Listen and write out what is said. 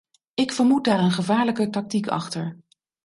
Ik vermoed daar een gevaarlijke tactiek achter.